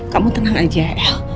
kamu tenang aja el